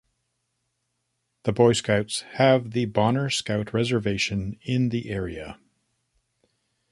The Boy Scouts have the Bonner Scout Reservation in the area.